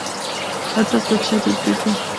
تاسو ته چا د دې پېښو په اړه وویل؟